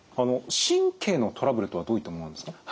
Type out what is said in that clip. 神経のトラブルとはどういったものなんですか？